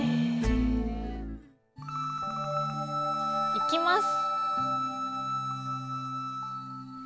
いきます！